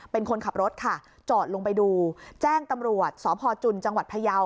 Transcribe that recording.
เป็นคนขับรถค่ะจอดลงไปดูแจ้งตำรวจสพจุนจังหวัดพยาว